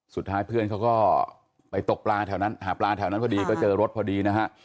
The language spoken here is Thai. สุดท้ายเพื่อนเขาก็ไปหาปลาแถวนั้นพอดีก็เจอรถพอดี